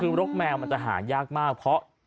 คือรกแมวมันจะหายากมากเพราะ